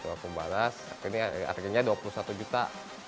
aku balas ini harganya rp dua puluh satu juta